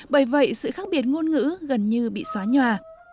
bởi vậy sự khác biệt ngôn ngữ gần như bị xóa nhòa